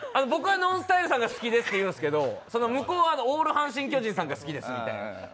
僕はＮＯＮＳＴＹＬＥさんが好きですって言うんですけど向こうはオール阪神・巨人さんが好きですみたいな。